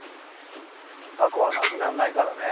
過去はなくならないからね。